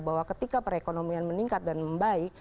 bahwa ketika perekonomian meningkat dan membaik